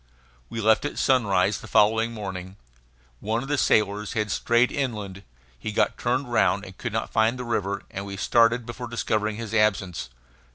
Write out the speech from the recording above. We left at sunrise the following morning. One of the sailors had strayed inland. He got turned round and could not find the river; and we started before discovering his absence.